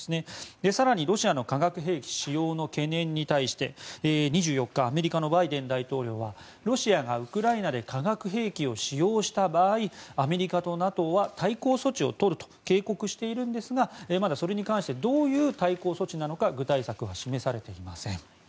更に、ロシアの化学兵器使用の懸念に対して２４日アメリカのバイデン大統領はロシアがウクライナで化学兵器を使用した場合アメリカとＮＡＴＯは対抗措置を取ると警告しているんですがまだそれに関してどういう対抗措置なのか具体策は示されていません。